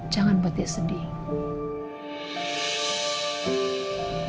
jangan buat dia sedih